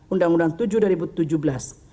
undang undang tujuh dua ribu tujuh belas